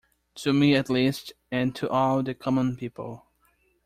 To me at least — and to all the common people.